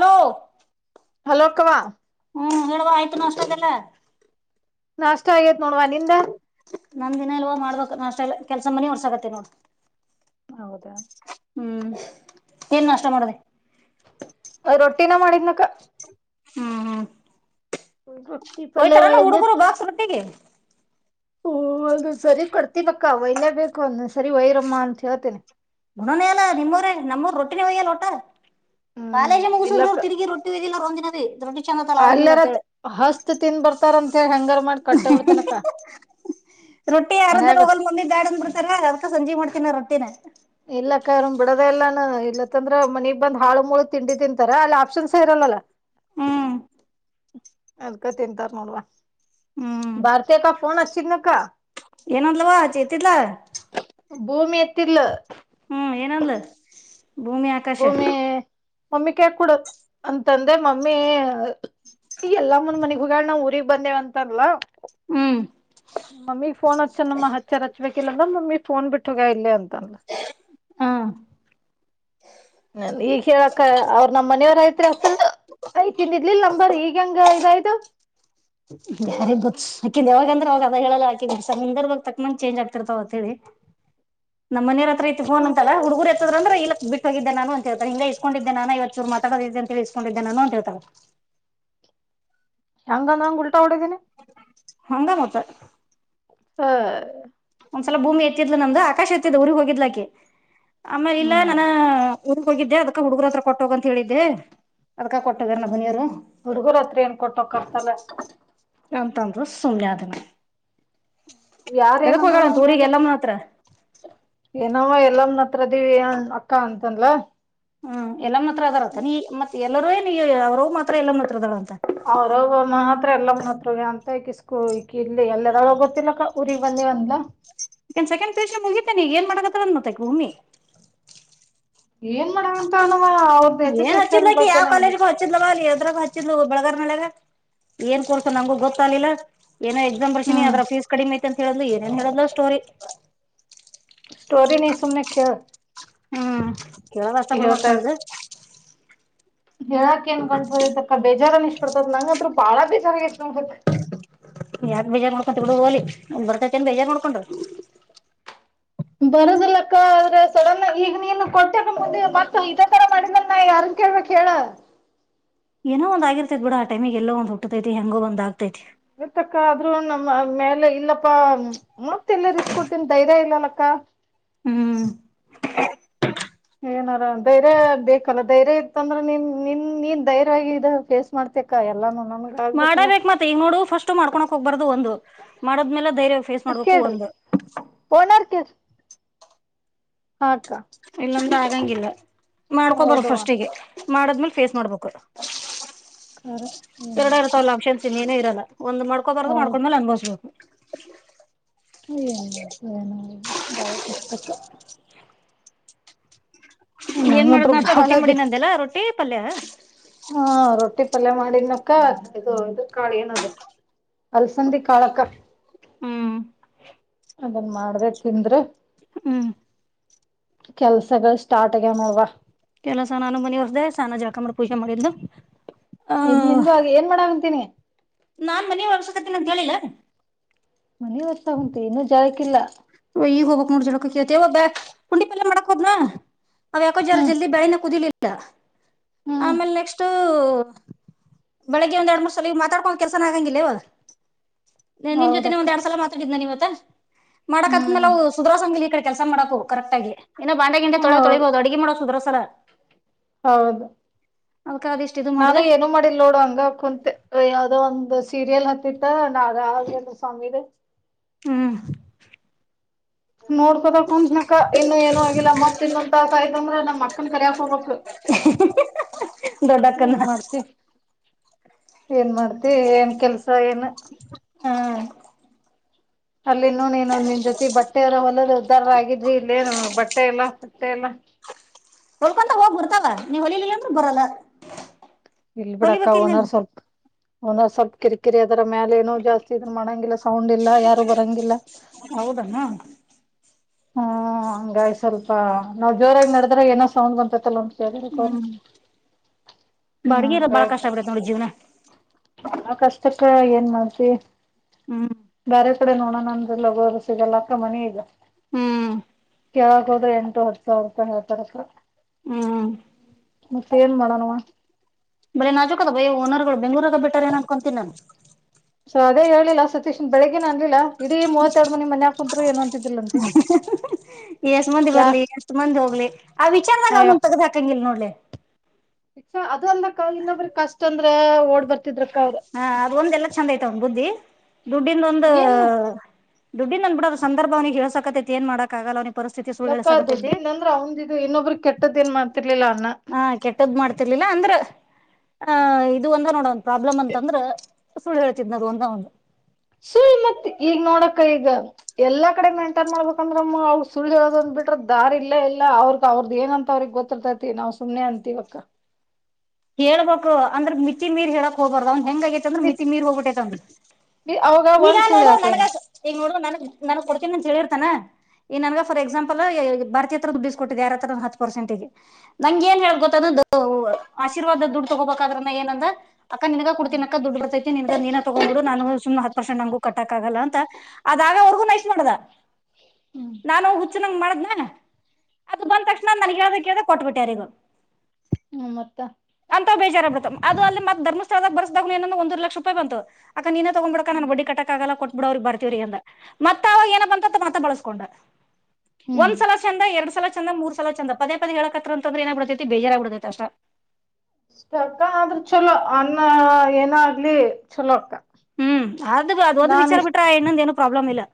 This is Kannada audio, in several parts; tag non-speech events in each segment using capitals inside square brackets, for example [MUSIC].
ಹಲೋ. ಹಲೋ ಕಾ. ಹ್ಮ್ ಹೇಳುವ ಆಯ್ತು ನ ನಾಷ್ಟಾದದೆಲ್ಲ. ನಾಷ್ಟ ಆಗೇತ್ ನೋಡವಾ ನಿಂದ. ನಂದ ದಿನ ಅಲ್ವಾ ಮಾಡ್ಬಕ್ ನ ಅಷ್ಟೆ ಕೆಲ್ಸ ಮನಿ ಒರ್ಸಕತ್ತೆನ ನೋಡು. ಹೌದಾ. ಹ್ಮ್ ಏನ್ ನಾಷ್ಟ ಮಾಡದೆ. ರೊಟ್ಟಿನ ಮಾಡಿದ್ನಕ. ಹ್ಮ್ ಹ್ಮ್. ರೊಟ್ಟಿ ಪಲ್ಯ ಹೋಯ್ತಾರನು ಹುಡುಗರು ಬಾಕ್ಸ್ ರೊಟ್ಟಿಗೆ. ಹಓ ಅದು ಸರಿ ಕೊಡ್ತಿವಿಕ್ಕ ಒಯ್ಲೇ ಬೇಕು ಒಂದ ಸರಿ ವೈರಮ್ಮ ಅಂತ ಹೇಳ್ತೇನಿ. ಉಣನ ಎಲ್ಲ ನಿಮ್ಮೂರೆ ನಮ್ಮೂರು ರೊಟ್ಟಿನ ಒಯ್ಯಲ್ಲ ವಟ್ಟ. ಕಾಲೇಜ್ ಹ್ಮ್ ಮುಗಿಸುದ್ರ ಇಲ್ಲಕ್ಕ ಅವರು ತಿರುಗಿ ರೊಟ್ಟಿ ವದಿಲ್ಲಂದಿನದ ರೊಟ್ಟಿ ಚಂದ ತ ಆರಾಮಿಲ್ಲ ಅಲ್ಯಾರ ಅಂತ ಹೇಳಿ. ಹಸ್ತ್ ತಿನ್ ಬರ್ತ್ ಏನರ ಮಾಡಿ ಕಟ್ಟೆ ಬಿಡ್ತೇನಕ್ಕ. ರೊಟ್ಟಿ ಯಾರಂದ ಮನ್ಯಾಗ ಹೋಗಲ್ ಮಮ್ಮಿ ಬ್ಯಾಡ ಅಂದು ಬಿಡ್ತಾರ ಅದಕ ಸಂಜೆ ಮಾಡ್ತನ ನಾರೊಟ್ ಇಲ್ಲಕ್ಕನಾನ್ ಬಿಡದ ಇಲ್ಲಾನ ಇಲ್ಲತ್ತಂದ್ರ ಮನಗ್ ಬಂದ್ ಹಾಳು ಮುಳು ತಿಂಡಿ ತಿಂತಾರ ಅಲ್ಲಿ ಆಪ್ಷನ್ಸ್ ಇರಲ್ಲ ಅಲ. ಹ್ಮ್ ಅದಕ ತಿಂತಾರ ನೋಡುವ ಹ್ಮ್ ಭಾರತಿ ಅಕ್ಕಗ ಫೋನ್ ಹಚ್ಚಿದ್ನಾಕ್ಕ. ಏನ್ ಅಂದ್ಲವ್ವ ಚಿತಿದ್ಲ. ಭೂಮಿ ಎತ್ತಿದ್ಲು. ಹ್ಮ್ ಏನಂದ್ಲು ಭೂಮಿ ಆಕಾಶ. ಭೂಮಿ ಮಮ್ಮಿ ಕೈಯ ಕುಡ ಅಂತಂದೆ ಮಮ್ಮಿ ಎಲ್ ಈ ಎಲ್ಲಮ್ಮ ಮನಿಗ್ ಹೋಗ್ಯಾಳ ನಾ ಊರಿಗೆ ಬಂದೇವಂತಾರಲ್ಲ. ಹ್ಮ್ ಮಮ್ಮಿಗ್ ಫೋನ್ ಹಚ್ಚನಮ್ಮ ಹಚ್ಚರ್ ಹಚ್ಬೇಕಿಲ್ಲ ಅಂದ್ರ ಮಮ್ಮಿ ಫೋನ್ ಬಿಟ್ಟು ಹೋಗ್ಯಾಳ ಇಲ್ಲೇ ಅಂತನ್ನು. [INAUDIBLE] ಹ. ನನ್ ಈಗ್ ಹೇಳಕ್ಕ ಅವ್ರ ನಮ್ಮ್ ಮನೆಯವರಐತ್ರಿ ಅತ್ರ. ಐ ಇಕಿಂದಿರ್ಲಿಲ್ಲ ನಂಬರ್ ಈಗ ಹೆಂಗ ಇದಾಯ್ತು. ಬಾ ಯಾರಿಗೊತ್ತು ಯಾವಾಗ ಅಂದ್ರ ಅವಾಗ ಅದ ಹೇಳಲ್ಲ ಯಾಕಂದರ ಸಂದರ್ಭ ತಕ್ಕ ನಂಗ ಚೇಂಜ್ ಆಗ್ತಿರ್ತಾವ ಅಂತ ಹೇಳಿ. [INAUDIBLE] ನಮ್ಮನವರ ಹತ್ರ ಐತೆ ಫೋನ್ ಅಂತರ ಹುಡುಗರು ಎತ್ಕ ಅ್ರ ಇಲ್ಲಕ್ ಬಿಟ್ಟ ಹೋಗಿದ್ದೆ ನಾನು ಅಂತ ಹೇಳ್ತಾರ ಇಲ್ಲ ಇಸ್ಕೊಂಡಿದ್ದೆ ನಾನು ಇವತ್ತು ಚೂರು ಮಾತಾಡತಿದ್ದ ಅಂತ ಹೇಳಿ ಇಸ್ಕೊಂಡಿದ್ದೆ ನಾನು ಅಂತ ಹೇಳ್ತಾಳ. [UNINTELLIGIBLE] ಹೆಂಗಂದ ನಂಗ ಉಲ್ಟಾ ಹೊಡದೀನ. ಹಂಗ ಮತ್ತ್. ಹಾ. ಒಂದ್ಸಲ ಭೂಮಿ ಎತ್ತಿದ್ಲು ನಮ್ದು ಆಕಾಶ ಎತ್ತಿದ್ ಊರಿಗೆಗ್ ಹೋಗಿದ್ಲಾಕೆ ಆಮೇಲೆ ಇಲ್ಲಾ ಹ್ಮ್ ನಾನ ಊರಿಗೆ ಹೋಗಿದ್ದೆ ಅದಕ ಹುಡುಗರು ಹತ್ರ ಕೊಟ್ಟೋಗ ಅಂತ ಹೇಳಿದ್ದೆ ಅದ್ಕ ಕೊಟ್ಟೋ ಗ್ಯಾರ ನಮ್ಮನೆಯವರು. ಹುಡುಗರ ಹತ್ರ ಏನ ಕೊಟ್ಟೊಕ್ಕರ ತಗೋ. ಅಂತಂದರು ಸುಮ್ನಾದೆ ನಾ. ಯಾರ ಯದಕ ಏನಂದ್ರು ಹೋಗ್ಯಾಳ ಅಂತ ಊರಿಗೆ ಎಲ್ಲಮ್ಮನ ಹತ್ರ. ನಾವ ಎಲ್ಲಮ್ಮನ ಹತ್ರದಿವಿ ಅಕ್ಕ ಅಂತಂದಳ್. ಹೂ ಎಲ್ಲಮ್ಮನ ಹತ್ತಿರ ಅದರಂತನ ಈಗ ಮತ್ತ ಎಲ್ಲರೂ ಏನ ಅವರವ್ವ ಮಾತ್ರ ಎಲ್ಲಮ್ಮನತ್ರ ಅದಾಳಂತ. ಅವರವ್ವ ಮಾತ್ರ ಎಲ್ಲಮನ್ ಹತ್ರಾ ಇದಾಳ ಅಂತ ಈಕಿ ಸ್ಕೂ ಈಕಿ ಇಲ್ಲಿ ಎಲ್ಲಿದಾಳೋ ಗೊತ್ತಿಲ್ಲಕ್ಕ. ಊರಿಗ್ ಬಂದೇವ ಅಂದ್ಲ ಈಗಸೆಕೆಂಡ್ [UNINTELLIGIBLE] ಮುಗಿತೇನೆಿ ಈಗಏನ್ಮಾಡಕತ್ತಳತ್ತಉಮ್ಮಿ ಏನ್ ಮಾಡಳಾಂತ ಏನ್ ಹಚ್ಚಿದ್ಲು ಅಕಿ ಯಾವ ಕಾಲೇಜ್ಗ ಹಚ್ಚಿದ್ಲಲವಾ ಅಲ್ಲಿ ಅದ್ರಾಗ ಹಚ್ಚಿದ್ಲು ಬೆಳಗರ್ನಳಗ ಏನ್ ಕೊಡ್ಸಿಯಾನ ನಂಗು ಗೊತ್ತಗ್ಿಲ್ಲ ಏನೋ ಎಕ್ಸಾಮ್ ಬರ್ಸೀಿನಿ ಹ್ಮ್ ಅದ್ರ ಫೀಸ್ ಕಡಿಮೆ ಐತಿ ಅಂತ ಹೇಳುದು ಏನೇನ್ ಹೇಳಿದ್ಲು ಸ್ಟೋರಿ ಸ್ಟೋರಿ ನೀ ಸುಮನೆ ಕೇಳು ಹ್ಮ್ ಕೇಳದುಅಷ್ಟೇ ಬಿಡ ಮತ್ ನಂದು ಹೇಳಾಕ ಏನ್ ಗಂಟುಹೋಗೆ ತಕ್ಕ ಬೇಜಾರ ಅನಿಸಿಬಿಡುತ್ತದ ನಂಗತ್ರ ಬಾಳ ಬೇಜಾರ ಆಗೇತಿ ಹೋಗ್ಬೇಕ್ [UNINTELLIGIBLE] ಯಾಕ್ ಬೇಜಾರ್ ಮಾಡ್ಕೊಂತಿ ಬಿಡು ಹೋಗಲಿ ಬರ್ತದ ಏನ ಬೇಜಾರ್ ಮಾಡ್ಕೊಂಡ್ರ ಬರದಿಲ್ಲಕ್ಕ ಆದ್ರೆ ಸಡನ್ ಈಗ ನೀನು ಕೊಟ್ಟೆ ಅಕ್ಕಮತ್ತ ಇದ ತರ [UNINTELLIGIBLE] [UNINTELLIGIBLE] ಕೇಳ್ಬೇಕ ಹೇಳ ಏನ ಒಂದ ಆಗಿರ್ತೈತಿ ಬಿಡ ಆ ಟೈಮ್ ಗೆ ಎಲ್ಲೋ ಒಂದ ಹುಟ್ಟೈತಿ ಹೆಂಗೋ ಒಂದ ಆತೈತಿ ಇತ್ತಕ್ಕ ಆದ್ರೂ ನಮ್ಮ ಮೇಲೆ ಇಲ್ಲಪ್ಪಾ ಮತ್ತ ಎಲ್ಲ ರಿಸ್ಕ್ ಕೊಡ್ತೀನಿ ಧೈರ್ಯ ಇಲ್ಲಲ್ಲಕ್ಕ ಹ್ಮ್ [UNINTELLIGIBLE] [UNINTELLIGIBLE] ಏನಾರಾ ಧೈರ್ಯ ಬೇಕಲ್ಲ ಧೈರ್ಯ ಇತ್ತ ಅಂದ್ರ ನೀನ್ ನಿನ್ ನೀನ್ ಧೈರ್ಯವಾಗಿ ಇದ ಫೇಸ್ ಮಾಡ್ತ [UNINTELLIGIBLE] ಎಲ್ಲ ಮಾಡ್ ಮಾಡಬೇಕಕ್ ಮತ್ತೆ ಈ ನೋಡು ಫಸ್ಟ್ ಮಾಡ್ಕೋ ಹೋಗ್ಬಾರ್ದು ಒಂದು ಮಾಡದ್ಮೇಲೆ ಧೈರ್ಯವಾಗಿ ಫೇಸ್ ಮಾಡ್ಬೇಕು ಕೇಳ್ರಿ ಒಂದು ಓನರ್ ಹ ಅಕ್ಕಾ ಹಂಗಿಲ್ಲ ಮಾಡ್ಕೊಬರೋದ್ ಫಸ್ಟಿಗೆ ಮಾಡದ್ಮೇಲೆ ಫೇಸ್ ಮಾಡ್ಬೇಕು ಖರೆ ಏನ್ ಎರಡ ಮಾಡ್ತಿ ಇರ್ತವಲ್ಲ ಅಕ್ಷನ್ಸಿನಿ ಏನೇ ಇರಲ್ಲ ಒಂದ ಮಾಡ್ಕೊಬಾರದುು ಹೌದು ಮಾಡ್ಕೊಂಡ್ಮೇಲೆ ಅನುಭವಿಸ್ಬೇಕು [UNINTELLIGIBLE] ಏನ್್ ಏನ ಬಾಳ ಪುಸ್ತಕ ಏನ್ ಮಾಡುದ್ ನ ಅಷ್ಟ ಬಾಳ ರೊಟ್ಟಿ ಮಾಡಿ ನ ಅಂದಲ್ಲಾ ರೊಟ್ಟಿ ಪಲ್ಯ ಹಾ ರೊಟ್ಟಿ ಪಲ್ಯ ಮಾಡಿನಕ್ಕ ಇದು ಇದ ಕಾಳು ಏನದು ಅಲ್ಸಂಡಿ ಕಾಳಕ್ಕ ಹ್ಮ್ ಅದನ್ ಮಾಡಬೇಕ ತಿಂದ್ರೆ ಹ್ಮ್ ಕೆಲ್ಸಗಳು ಸ್ಟಾರ್ಟ್ ಆಗವ ನೋಡವಾ ಕೆಲಸ ನಾನು ಮನಿ ಹೊರ್್ದ ಸಾನ ಜಳಕ ಮಾಡಿ ಪೂಜೆ ಮಾಡಿದ್ಲು ಆ ಇ್ ನಿಂದು ಆಗ ಏನ್ ಮಾಡ ಅಂತೀನಿ ನಾನ್ ಮನ ಒರ್ಸಕತ್ತನಂತ ಕೇಳಿಲ್ಲ ಮನ ಹೊತ್ತ ಉಂಟು ಇನ್ನುೂ ಜಾಗಕ್ಕಿಲ್ಲ ಈಗ ಹೋಗಬೇಕ್ ನೋಡ್ ಜೋಳಕಕ [UNINTELLIGIBLE] ಒಬ್ಬ ಕುಂಡಿಪಲ್ಯ ಮಾಡಕ್ೋದ್ನಾ ಅವ ಯಾಕೋ ಜರ ಹ್ಮ್ ಜಲ್ದಿ ಬಳಿನ ಕುದಿಲಿಲ್ಲ ಹ್ಮ್ ಆಮೇಲೆ ನೆಕ್ಸ್ಟ್ ಬೆಳಿಗ್ಗೆ ಒಂದ್ ಎರಡ್ ಮೂರ್ ಸಲ ಮಾತಾಡ್ಕೊ ಕೆಲ್ಸನ ಆಗಂಗಿಲ್ಲೇವ ನಿನ್ ಜೊತೆನೆ ಹೌದಕ್ಕ ಒಂದ ಎರಡ್ ಸಲ ಮಾತಾಡಿದ್ನ ನೀವತ್ತ ಹ್ಮ್ ಮಾಡಕ್ತ್್ಮೇಾವು ಸುರಸಂಗಲಿ ಈ ಕಡೆ ಕೆಲಸ ಮಾಡಕು ಕರೆಕ್ಟ್ ಆಗ ಇನ್ನು ಬಂಡೆ ಗಂಡ ಹೌದು ತೊಳಿಬಹುದು ಅಡುಗೆ ಮಾಡೋುದ್ರ [UNINTELLIGIBLE] ಹೌದು ಅದಕ್ಕ ಅದಿಷ್ಟು ಇದು ನಾನು ಮಾಡಿದೆ ಏನು ಮಾಡಿಲ್ ನೋಡು ಹಂಗ ಕುಂತೆ ಯಾವದೋ ಒಂದ ಸೀರಿಯಲ್ ಹತ್ತಿತ್ತ ನಾ [UNINTELLIGIBLE] ಸ್ವಾಮೀದ ಹ್ಮ್ ನೋಡ್ಸೋದಕ್ ಒಂದಸಕ ಇನ್ನು ಏನು ಆಗಿಲ್ಲ ಮತ್ತತ್ ಇನ್ನೊಂದ್ ತಾಸ ಆಯ್ತಂದ್ರ ನಮ್ ಅಕ್ಕನ್ ಕರಿಯಕ್ ಹೋಗಬೇಕು [UNINTELLIGIBLE] ಮಾಡ್ತಿ [UNINTELLIGIBLE] ಏನ್ ಮಾಡ್ತಿ ಏನ್ ಕೆಲ್ಸ ಏನ್ ಹಾ ಅಲ್ಲಿ ನೋ ನೀನು ನಿನ್ ಜೊತೆ ಬಟ್ಟೆವರ ಒಲ್ಲದ ಉದ್ದಾರ ಆಗಿದ್ರಿ ಇಲ್ಲೇನು ಬಟ್ಟೆ ಎಲ್ಲಾ ಬಟ್ಟೆ ಎಲ್ಲ ಹ [UNINTELLIGIBLE] ಹೊಳ್ಕೊಂತ ಹೋಗ್ಬರ್ತಾವ ನೀವ್ ಹೊಳಿಲಿಲ್ಲ ಅಂದ್ರ ಬರಲ್ಲ ಇಲ್ ಬಿಡಕ್ಕ ಹೊಲಿಬೇಕಿಲ್ಲ ಓನರ್ ಸ್ವಲ್ಪ್ ಓನರ್ ಸ್ವಲ್ಪ್ ಕಿರಿಕಿರಿ ಅದರ ಮೇಾಲ ಏನೂ ಜಾಸ್ತಿ ಇದನ್ ಮಾಡಂಗಿಲ್ಲ ಸೌಂಡ್ ಇಲ್ಲ ಯಾರು ಬರಂಗಿಲ್ಲ ಹೌದನ ಹ್ಮಂಗಾಯ್ ಸ್ವಲ್ಪ ನಾವ್ ಜೋರಾಗಿ ನಡದ್ರ ಏನೋ ಸೌಂದ್ ಬಂತೈತ್ತಲ್ಲ ತೆಗೀರಿ ಕೋನ್ ಬಾಡಗಿರ ಬಾಳ ಕಷ್ಟ ಆಗ್ಡತ್ತ ನೋಡ ಜೀವ್ನ ಆ ಕಷ್ಟಕ್ಕ ಏನ್ ಮಾಡ್ತಿ ಹ್ಮ್ ಬೇರೆ ಕಡೆ ನೋಡೋಣ ಅಂದ್ರಲ್ಲೋಗರು ಸಿಗಲ್ಲ ಅಕ್ಕ ಮನ ಈಗ ಹ್ಮ್ ಕೆಳಕ್ ಹೋದ್ರೆ ಎಂಟು ಹತ್ತು ಸಾವಿರ ರೂಪಾಯಿ ಹಾವ ತರಕ ಹ್ಮ್ ಮತ್ತೆ ಏನ್ ಮಾಡೋಣವ ಬಲೆ ನಾಜೂಕ್ ಅದ ಬೈ ಓನರ್ಗಳು ಬೆಂಗಳೂರಾಗ ಬಿಟ್ಟಾರೇನ್ ಅನ್ಕೊಂತೀನಿ ನಾನು ಸೊ ಅದೇ ಹೇಳಿಲ್ಲ ಸತೀಶ್ನ್ ಬ ಬೆಳಗ್ಗಿನ ಅನ್ಲಿಲ್ಲ ಇಡೀ ಮೂವತ್ತೆರಡು ಮನಿ ಮನ್ಯಕ ಕುಂರು ಏನು ಅಂತಿದ್ದಿಲ್ಲ ಅಂತೆ ಎಷ್ಟ್ ಮಂದಿ ಬರ್ಲಿ ಎಷ್ಟ ಮಂದಿ ಹೋಗ್ಲಿ ಆ ವಿಚಾರದಾಗ ಅವೊಂದ ತಗ್ದ್ ಹಾಕಂಗಿಲ್ಲಲ್ ನೋಡ್ಲಿ ಶಕ್ಷಾ ಅದ ಅಂದಕ ಇನ್ನೊಬ್ರ ಕಷ್ಟ ಅಂದ್ರೆ ಓಡ್ಬರ್ತ ಹಾ ಅದ ಒಂದ ಎಲ್ಲ ಚಂದ ಐ್ತವನ್ ಬುದ್ಧಿ ದುಡ್ಡಿಂದ ಒಂದು ಏನ್ ದುಡ್ಡಿ ನಂದನ್ ಬಿಡ ಅವ ಸಂದರ್ ಅವಿಗೆ ಹ ಹೇಳಸಕತ್ತ ಏ ಮಾಡಕಕ್ಕಾಗಲ್ಲ ಲಕ್ಕ ಅವಿಗೆ ದುಡ್ಡಿಂದ ಅಂದ್ರ ಅವಂದ ಇದು ಇನ್ನೊಬ್ರ ಕೆಟ್ಟದ್ ಏನ್ ಮಾಡ್ತಿರ್ಲಿಲ್ಲ ಅನ್ನ [INAUDIBLE] ಇಲ್ಲ ಅಂದ್ರ [INAUDIBLE] ಆಹ ಇದು ಒಂದ ನೋಡ ಒಂದ ಪ್ರಾಬ್ಲಮ್ ಅಂತಂದ್ರ ಸುಳ್ಳು ಹೇಳ್ತಿದ್ದನದು ಒಂದ ಒಂದು ಸುಳ್ ಮತ್ತೆ ಈಗ ನೋಡಕ್ಕ ಈಗ ಎಲ್ಲಾ ಕಡೆ ಮೇಂಟೈನ್ ಮಾಡ್ಬೇಕಂದ್ರಮ್ಮ ಅವ ಸುಳ್ದೊಳದ ಬಿಟ್ರದ ದಾರ್ ಇಲ್ಲಾ ಇಲ್ಲ ಅವ್ರಗ್ ಅವ್ರದ್ದ ಏನಂತ ಅವ್ರಗ್ ಗೊತ್ತಿರ್ತೈತಿ ನಾವ್ ಸುಮ್ನೆ ಅಂತ ಇವಕ್ಕ ಹೇಳ್ಬು ಅಂದ್ರೆ ಮಿತಿ ಮೀರ್ ಹೇಳಕ್ ಹೋಗಬಾರ್ದ ಅವ ಹೆಂಗ ಆಗೇತ್ಂದ್ರ ಮಿತಿ ಬಿತ್ ಮೀರ್ ಹೋಗ್ಬಿಟ್ಟೈತ್ಂದ್ರ ಅವಾಗ ಈಗೋ ಒಂದ್ ಸುಳ್ಳು ಹಾಕೇನ ನೀ ನಡು ನನಗ್ ನನಗ್ ಕೊಡ್ತೀನಂತ ಹೇಳಿರ್ತಾನ ಈ ನನ್ಗ ಫಾರ್ ಎಕ್ಸಾಂಪಲ್ ಬ ಭಾರತಿಯತ್ರದದು ಬಿಸಸ್ಕ ಕೊಟ್ಟಿದ್ದ್ ಯಾರ್ ಹತ್ರ ಒಂದ ಹತ್ತು ಪರ್ಸೆಂಟಗ ನಂ ನ್ ಹ ಹೇಳಳ್ ಗೊತ್ತ ಅ ಆಶೀರ್ವಾದದ ದುಡ್ಡು ತೊಗೋಬೇಕಾದ್ರ ಏನಂದ್ರ ಅಕ್ಕ ನಿನ್ ಕ ಕೊಡ್ನ ಅಕ್ಕ ದುಡ್ಡು ಬತ್ತೈತಿ ನಿನ್ಗ ನೀನ ತಗ್ ಬಿಡು ನು ಸು ಪರ್ಸೆಂಟ್ ನು ಕಟ್ಟಕ ಆಗಲ್ಲ ಅಂತ ಅ ಅವ್ರಗೂ ನೈ ಮಾಡದ ನಾನು ಚಿಕ್ಕ ಮಾಡದ್ನ ಅದು ಬಂದ ತಕ್ಷಣ ನನ್ಗೆ ಹೇಳ್ದ ಕೇಳ್ದ ಕೊಟ್ಬಿಟ್ಟ್ಯಾರಿಗ ಹ್ಮ ಮತ್ತ ಬೇಜಾರ ಬಿಡ ಅಲ್ಲಿತ್ತ ಧರ್ಸ್ಥಳದ ಬಸದಾಗನಂದ ಒಂದೂಂದು ಲಕ್ಷ ರೂಪಾಯಿ ಬಂತು ನೀ ತಗೊಂಡಂಬಳಕ ನನ್ ಬಡಿ ಕಕ್ ಆಗಲ್ಲ ಕೊ ಬಿಡೋರಗ್ ಬರ್ತವ್ರಿ ಅಂದ ಮತ್ತ ಅವ ಏನ ಬಂತ ಮತ್ತ ಬಳಸ್ಕೊಂಡ ಹ್ಮ್ ಒಂದ್ಸಲ ಚಂದ ಎರಡ್ ಸಲ ಚಂದ ಮೂರ್ಲ ಚಂದ ಪದೇ ಪದೇ ಹೇಳಕತ್ರಂತಂದ್ರ ಏನಗ್ ಬಿಡತೈತಿ ಬೇಜಾರಗ್ ಬಿಡತೈತೆ ಅಷ್ಟ ಇಷ್ಟ ಅಕ್ಕ ಆದ್ರೂ ಚಲೋ ಅನ್ನ ಏನ ಆಗ್ಲಿ ಚಲೋ ಅಕ್ಕ ಹ್ಮ್ ಆದ ಅದ ಒಂದು ವಿಚಾರ ಬಿಟ್ರ ಇನ್ನೊಂದ ಏನು ಪ್ರಾಬ್ಲಮ್ ಇಲ್ಲ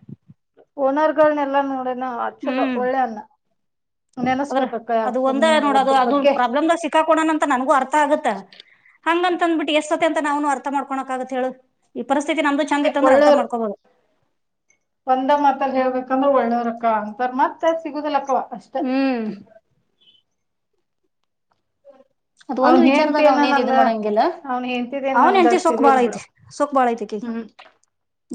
ಓನರ್ಗಳನೆ ಎಲ್ಲಾ ನೋಡಣ ಚಲೋ ಹ್ಮ್. ಒಳ್ಳೆ ಅ್ಣ ಅದ್ರ ಅದು ಒಂದ ನೋಡದು ಒಬ್ಬ್ರ ಅದು ಬಗ್ಗೆ ಪ್ರಾಬ್ಲಮ್ ಸಿಕ್ಕಾಕೊಣಣ ಅಂತ ನನ್ಗೂ ಅರ್ಥ ಆಗತ್ತ ಹಂಗಂತಂದಬಿಟ್ಟಿ ಎಷ್ಟ ಅಂತ ನಾವ್ನು ಅರ್ಥ ಮಾಡ್ಕೋಕ್ ಆಗತ್ ಹೇಳು ಈ ಪರಿಸ್ಥಿತಿ ನಮ್ದು ಚಂದ ಇತ್ತಂದ್ರೆ ಅರ್ಥ ಒಳ್ಳೇವ್ರ ಮಾಡ್ಕೋಬಹದು ಒಂದ ಮಾತಲ್ಲಿ ಹೇಳ್ಬೇಕಂದ್ರೆ ಒಳ್ಳೋವರ್ಕ್ಕ ಅಂತಾರ ಮತ್ತ ಸಿಗುದಿಲ್ಲಕ್ಕವ ಅಷ್ಟ ಹ್ಮ್ ಅದ್ ಒಂದ್ ಅವನ್ ವಿಚಾರದಾಗ [UNINTELLIGIBLE] ಅವನೇನ್ ಇದ್ ನನ್ನ ಮಾಡಂಗಿಲ್ಲ, ಅವ್ನ್ ಹೆಂತಿದೇನ್ ಅವನ್ ನನ್ಗ ಹೆಂಡತಿ ಸೊಕ್ಕ್ ಅಷ್ಟಿದೆ ಬಾಳ್ ಇಲ್ ಬಿಿಡ ಐತಿ, ಸೊಕ್ಕ್ ಬಾಳ್ ಐತಿ ಅಕಿಗ್ ಹ್ಮ್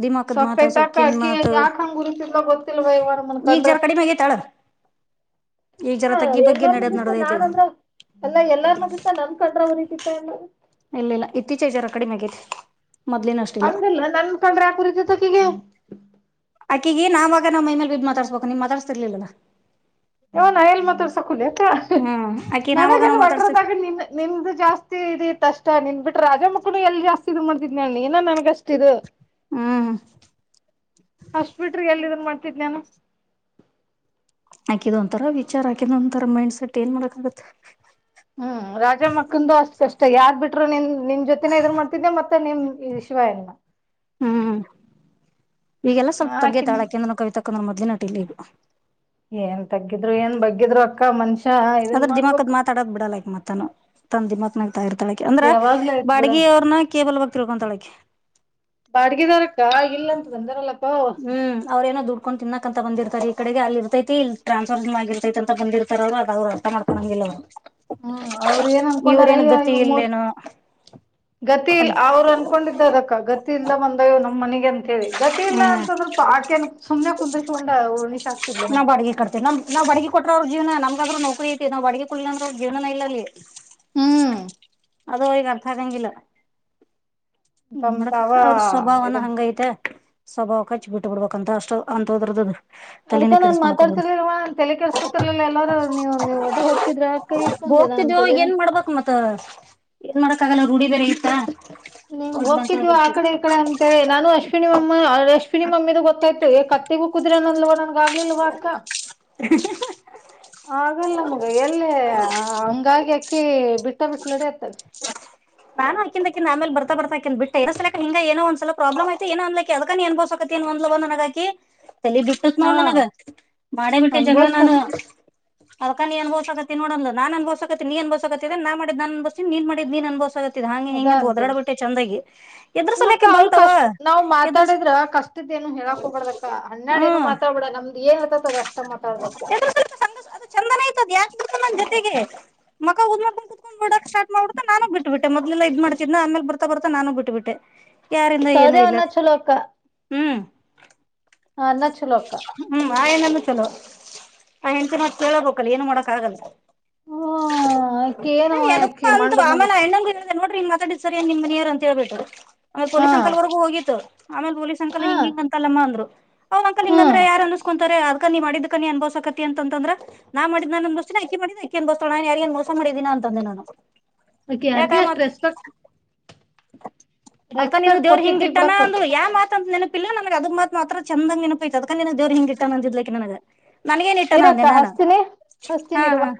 ದಿಮಾಕದ್ ಮಾತ್ ಸಕ್ತೈತ ಅಕ್ಕ ಸೊಕ್ಕಿನ್ ಅಕಿ ಮಾತ್ ಯಾಕ ಹಂಗ ಗುರುಸಿದಲ ಗೊತ್ತಿಲ್ವವಾರ ಈಗ ಮನ್ಕೊಂಡ್ರೆ ಜರಾ ಕಡಿಮಿ ಆಗೇತಿ ಅಳ, ಈಗ ಹ ಜರಾ ತಗ್ಗಿ ಎಲ್ಲ ಬಗ್ಗಿ ನಡೆದ್ ಬಿತ್ತು ನಡದೈತಿ ಈಗ, ನಾನಂದ್ರ ಎಲ್ಲ ಎಲ್ಲಾರ್ ನಡತ ನನ್ ಕಡ್ರ ಅವ್ರ ರೀತಿತ್ತ ಎಲ್ಲ ಇಲ್ಲಿಲ್ಲಾ ಇತ್ತೀಚೆಗ್ ಜರಾ ಕಡಿಮಿ ಆಗೇತಿ, ಮೊದ್ಲಿನಷ್ಟಿಲ್ಲ, ಹಂಗಲ್ಲ ನನ್ ಕ್ರೆ ಯ ಕುುರಿದ ತ ಕಿಗೆ ಆಕೆಗಿ ನಾವಾಗ ನಮ್ಮ ಮೈ ಮೇಲೆ ಬಿದ್ದ್ ಮಾತಾಡ್ಸ್ಬೇಕು ನೀವುತಡ್ಸ್ತಿರ್ಲಿಲ್ಲಲಾ ಇನ ಎಲ್ ಮಾತ್ರವ ಸಕುಲ್ ಹ್ಮ್ ಆಕಿ ನಾವಾಗ ನನಗ ನಾವ್ ಮಾತಾಡ್ಸಿ ವಟ್ರದಾಗ ನಿ ನಿದ ಜಾಸ್ತಿ ಇ ಅಷ್ಟ ನಿನ್ ಬಿಟ್ಟ ರಾಜ ಮಕ್ಕಳು ಎಲ್ಲಿ ಜಾಸ್ತಿ ಇದ್ ಮಾಡ್ತಿದ್ ನಣಿ ಇಏ ನನ್ಗ ಅಷ್ಟ ಇದು ಹ್ಮ್ ಅಷ್ಟ ಬಿಿಟ್ರಿ ಎಲ್ ಇದನ್ ಮಾಡ್ತಿದ್ ನಾನು ಹಾಕಿದ ಒಂಂತರ ವಿಚಾರ ಹಾಕಿದ ಒಂಂತರ ಮೈಂಡ್ ಸೆಟ್ ಏನ್ ಮಾಡಕ ಆಗತ್ತತ್ ಹ್ಮ್ ರಾಜಮ್ಮಕ್ಕಂದು ಅಷ್ಟ್ ಕಷ್ಟ ಯಾರ್ ಬಿಟರು ನಿನ್ ನಿಮ ಜೊತೆನ ಇದ್ ಮಾಡ್ತಿದ್ದೆ ಮತ್ತೆ ನಿಮ್ ಶಿವಾಯ ನಮ್ ಹ್ಮ್ ಈಗೆಲ್ಲ ಸ್ವಲ್ಪ ಹಾಕಿನಿ ತಗ್ಗೇತಾಳಕ ಅಂದ್ರ ಕವಿತ ನಮ್ಮ ಮದ ನಟಿಲ್ಲ ಏನ್ ತಗ್ಗಿದ್ರು ಏನ್ ಬಗ್ಗಿದ್ರು ಅಕ್ಕ ಮನ್ಷ್ಯ ಅದ್ರ ದಿಮಾಕದ ಮಾತಾಡಕ್ ಬಿಡಲ್ಲೈಕ್ ಮತ್ತ ತಂದ ದಿಮಾಕ್ನಾಗ ತ ಇರ್ತಾಳಕೆ ಅಂದ್ರ ಅದು ಯಾವಾಗ್ಲೂ ಆಯ್ತ್ ಬಿಡ ಬಾಡಗಿ ಅವ್ರನ್ನ ಕೇಬಲ್ ಬಕ್ತಿತಾಳಕ್ಕೆ ಬಾಡ್ಗಿದಾರಕ್ಕ ಇಲ್ಲ ಅಂತ ಬಂದಾರಲ್ಲ ಹ್ಮ್ ಅವ್ರೇಏನೋ ದುಡ್ಡು ಇಕೊಂಡ್ ತಿನ್ನಾಕ್ಂತ ಬಂದಿರ್ತಾರೆ ಈ ಕಡೆಗೆ ಅಲ್ಲಿ ಇರುತೈತಿ ಟ್ರಾನ್ಸ್ರ್ ಆಗಿರ್ತೈತ ಅ ಬಂದಿರ್ತಾರ ಅವರುದ್ರು ಅರ್ಥ ಮಾಡ್ಕೋಂಗಿಲ್ಲ ಅವರು ಹ್ಮ್ ಅವರು ಏನ್ ಅನ್ಕೊಂಡಾರಯ್ಯ ಇ ಮೂರ್ ಇಲ್ಲೇನೋ ಗತಿ ಇಲ್ ಅಂತ ಅವ್ರು ಅನ್ಕೊಂಡಿದ್ದ ಅದಕ್ಕ ಗತಿ ಇಲ್ಲ ಒಂದಯ ನಮ್ಮ್ ಮನಗ್ ಹಾಗ ಅಂತ ಹೇಳಿ ಗತಿ ಇಲ್ಲ ಹ್ಮ್ ಅಂತಂದ್ರ ಆಕೆನ ಸುಮ್ಮನೆ ಕುಂತ ಶಕೊಂಡ ಉರ್ಣಿಶ್ ಆಗ್ತಿಲ್ಲ ನಾ ಬರೆಗೆ ಕೋಟಿ ಅವ್ರ ಜೀವನ ನಮ್ಗಾದ್ರೂ ನೌಕರಿ ಐತಿ ನಾವ್ ಅಡ್ಗೆ ಕುಳ್ಳ ಅಂದ್ರ ಅವ್ರ ಜೀವನ ಇಲ್ಲ ಅಲ್ಲಿ ಹ್ಮ್ ಅದು ಈಗ ಅರ್ಥಾಗಂಗಿಲ್ಲ ಹ್ಮ್ ತಮ್ ಮಡಕ್ ತಾವ ಅವ್ರ ಸ್ವಭಾವನ ಇದನ್ ಹಂಗೈತೆ ಸ್ವಭಾವಕ್ಕ ಹಚ್ಚಿ ಬಿಟ್ಟು ಬಿಡ್ಬೇಕಂತ ಅಷ್ಟ ಅಂತ ಹಂತದ್ರದ ಅದ್ಕ ನಾನ್ ಮಾತಾಡ್ತಿರ್ಲ್ವಾ ತಲೆ ಕೆೇಸ್ಕೊತಿರ್ಲಿಲ್ಲ ಎಲ್ಲಾರೂ ನೀವು ನೀವ ಅದು ಹಕಿದ್ರೆ ಅಕ ಈಕ ಹೋಗ್ತಿದವ ಏನ್ ಮಾಡ್ಬೇಕಕ್ ಮತ್ ಏನ್ ಮಾಡ್ಕ್ ಆಗಲ್ಲ ರೂಢಿ ಬೇರೆ ಐತ ನಿಂಗ ಹೋಗಿದ್ವ ಆ ಕಡೆ ಈ ಕಡೆ ಅಂತೇಳಿ ನಾನು ಅಶ್ವಿನಿ ಮ ರಶ್ಮಿನಿ ಮಮ್ಮೀದ ಗೊತ್ತಾಯ್ತು ಏ ಕತ್ತಿಗೂ ಕುದಿರಿ ಅನಂದ್ಲವ ನನಗ ಆಗ್ಲಿಲ್ಲವ ಅಕ್ಕ------ಆಗ್ಲಿಲ್ಲಮಗ ಎಲ್ಲಿ ಹಂಗಾಗಿ ಅಕ್ಕಿ ಬಿಟ್ಟ ಬಿಟ್ಲಡೀ ಅತ್ತಗ ನಾನು ಅಕಿಂದಕಿ ಆಮೇಲ್ ಬರ್ತ ಬರ್ತ ಅನಕಿ ಬಿಟ್ಟೆ ಎದುರಿಸಲು ಹಿಂಗ ಏನೊ ಸಲ ಪ್ರಾಬ್ಲಮ್ ಆಯ್ತು ಏನೋ ಅಂದ್ಲಕಿ ಅದ್ಕ ನೀ ಅನುಭವಸಕತ್ತಿ ಏನೋ ಅಂದ್ಲವ ನನಗಾಕಿ ತಲೆ ಬಿಟ್ಟತ್ ನೋ ಹಾ ನನಗ ಮಾಡೇ ಬಿಟ್ಟೆ ಜಗಳ ಅನ್ಭೋಸ್ತಾರ ನಾನು ಅದಕ ನೀ ಅನಬೋಸಕತ್ತಿ ನೋಡಂದ್ಲು ನಾನ್ ಅನುಬೋಸಕತ್ತಿನಿ ನೀನ್ ಅನಬೋಸಕತ್ತೆನು ನಾ ಮಾಡಿದ ನಾ ಅನಬವಸಕತ್ತನಿ ನೀ ಮಾಡಿದ್ದ ನೀನ್ ಅನ್ಭೋಸ್ ಆಗೆ ಹಂಗೆ ಅದ ಹಿಂಗೆ ಅಂತ ಅಂತೇನಿ ಒದ್ರಾಡ್ಬಟ್ಟೆ ಚಂದಾಗಿ ಅಲ್ಲಕ್ಕ ಎದ್ರಸಲಕ್ಕೆ ಅವ್ರ ಬಂತವಾ ಕಷ್ಟ ನಾವ್ ಎದ್ರ ಮಾತಾಡಿದ್ರ ಕಷ್ಟದ ಏನು ಹೇಳಾಕ್ ಹೋಗಬಾರ್ದಕ್ಕ ಅಣ್ಣಾಡ ಏನು ಮಾತಾಡ್ಬಡ ನಮ್ದ್ ಏನ್ ಇರ್ತತ್ ಅದ ಅಷ್ಟ ಮಾತಾಡ್ಬೇಕ ಎದ್ರಸಲೆಕ ಸಂಗ ಅದು ಚಂದನ ಆಐತದ ಯಾಕ್ ಬಿಡ್ತ ನನ್ ಜೊತೆಗೆ ಮಕ ಊದ್ ಮಾಡ್ಕಂಡ್ ಕೂತ್ಕೊಂಡ್ ಬಿಡಕ್ ಸ್ಟಾಟ್ ಮಾಡಬಿತೆ ನಾನು ಬಿಟ್ಬ ಬಿಟ್ಟು ಮೊದ್ಲೆಲ್ಲ ಇದ ಮಾಡ್ತಿದ ನ ಆಮೇಲೆ ಬರ್ತಾ ಬರ್ತಾ ನಾನು ಬಿಟ್ಟು ಬಿಟ್ಟೆ ಯಾರಿಂದ ಏನ ಸೌದೆ ಇಲ್ಲ ಅನ್ನ ಚಲೋ ಅಕ್ಕ ಹ್ಮ್ [UNINTELLIGIBLE] ಹ್ಮ್ ಆ ಅಣ್ಣನು ಚಲೋ ಹೇಂಣ್ತಿ ಮಾತ್ ಕೇಳಬೇಕಲ್ಲ ಏನು ಮಾಡೋಕ್ ಆಗಲ್ಲ ಹ್ಮ್ ಅಕಿ ಏನು ಹೇ ಅಕಿ ಯೋಡುಕೋ ಅಂತ ಮಂಡ ಆಮೇಲೆ ಮುಗಿತ ಅಣ್ಣಂಗು ಹೇಳಿದೆ ನೋಡ್ರಿ [UNINTELLIGIBLE] ಸರಿ ನಿಮ್ ಮನಿಯಾರ ಅಂತ ಹೇಳ್ಬಿಟ್ರು ಮೇಲೆ ಹಾ ಪೊಲೀಸ್ ಅಕಲ್ರೆಗೂ ಹೋಗಿತ್ತು ಆಮೇಲೆ ಪೊಲೀಸ್ ಸಂಕಲ್ ಹಾ ಹಿಂಗ ಹಿಂಗ ಅಂತಲ್ಲಮ್ಮ ಅಂದರು ಹ್ಮ್ ಹಿಂಗ್ರ ಯಾರ ಅನ್ಕೊಂಡು ಅದಕ ನೀ ಮಾಡಿದ್ದ್ಕ ನೀ ಅನಬೋಸಕತಿ ಅಂತಂದ್ರ ನಾ ಮಾಡಿದ್ದ ನ ಅನ್ಬವಸ್ತನಿ ಅಕಿ ಮಾಡಿದ್ದು ಅಕಿ ಅನುಭವಿಸ್ತಾಳ ನಾ ಏನ್ ಯಾರಿಗೂ ಮೋಸ ಮಾಡಿ ನ ಮಾಡಿದೀನಾ ಅಂತಂದೆ ನಾನು ಅಕಿ ಯಾಕ ಯಾರ್ಗ ಆ ಅಷ್ಟು ಮಾತ್ ರೆಸ್ಪೆಕ್ಟ್ ಅದಕ ನೀನು ರೆಸ್ಪೆಕ್ಟ್ ದೇವ್ರ ಹಿಂಗ ಕೊಡ್ತಿದ್ದಿಲ್ ಇಟ್ಟಾನನ ಬಿಡಕ್ಕ ಅಂದ ಅಕಿ ಯಾವ ಮಾತ ಅಂತ ಇಲ್ಲಾ ನನ್ಗೆ ಅದಕ್ ಮಾತ್ರ ಮಾತ್ರ ಚಂದ ನನಪೈತ್ ಅದಕ ನಿನಗೆ ದೇವರು ಹಿಂಗ ಇಟ್ಟಾನ ಅಂದಿದ್ಲಿಕ್ಕೆ ನನಗ ನನ್ಗೇನ ಇಟ್ಟಾನವ ಇರಕ್ಕ ಅಂದೆ ನಾನು ಹಸ್ತಿನಿ ಹಾ ಹಸ್ತಿನಿ ಇರು ಹಾ ಬಾ.